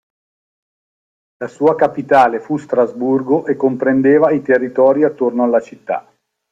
La sua capitale fu Strasburgo e comprendeva i territori attorno alla città.